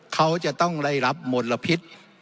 เขาจะต้องได้รับมลพิษ